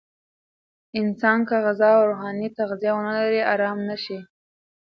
انسان که غذا او روحاني تغذیه ونلري، آرام نه شي.